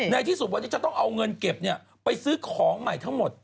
ในที่สุดวันนี้จะต้องเอาเงินเก็บไปซื้อของใหม่ทั้งหมด